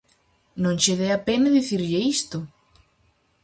Non che dea pena dicirlle isto.